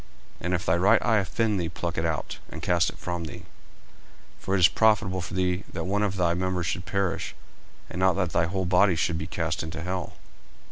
40:005:029 And if thy right eye offend thee, pluck it out, and cast it from thee: for it is profitable for thee that one of thy members should perish, and not that thy whole body should be cast into hell.